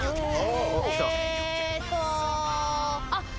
あっ。